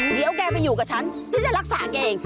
เดี๋ยวแกมาอยู่กับฉันฉันจะรักษาแกเอง